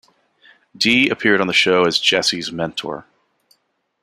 Dee appeared on the show as Jesse's mentor.